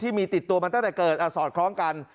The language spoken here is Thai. ติดตัวมาตั้งแต่เกิดสอดคล้องกัน